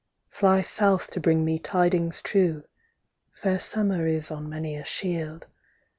Fly south to bring me tidings true, _Fair summer is on many a shield.